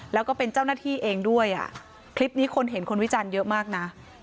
แล้วก็เป็นเจ้าหน้าที่เองด้วยอ่ะคลิปนี้คนเห็นคนวิจารณ์เยอะมากนะ